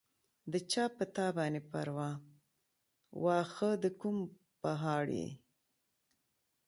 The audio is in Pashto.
د چا پۀ تا باندې پرواه، واښۀ د کوم پهاړ ئې